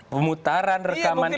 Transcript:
pemutaran rekaman itu